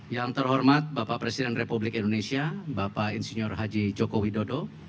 yang terhormat bapak presiden republik indonesia bapak insinyur haji joko widodo